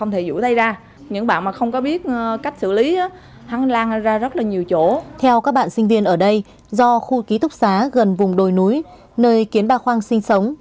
theo các bạn sinh viên ở đây do khu ký túc xá gần vùng đồi núi nơi kiến ba khoang sinh sống